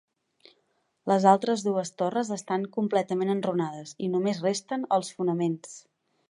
Les altres dues torres estan completament enrunades i només resten els fonaments.